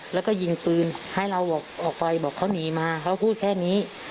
แล้วก็ยิงปืนให้เราออกไปบอกเขาหนีมาเขาพูดแค่นี้